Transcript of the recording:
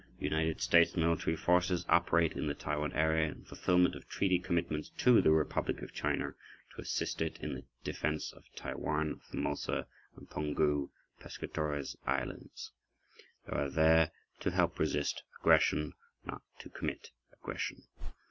United States military forces operate in the Taiwan area in fulfillment of treaty commitments to the Republic of China to assist it in the defense of Taiwan (Formosa) and the Penghu (Pescadores) Islands. They are there to help resist aggression—not to commit aggression.